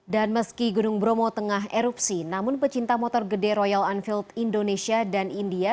dan meski gunung bromo tengah erupsi namun pecinta motor gede royal enfield indonesia dan india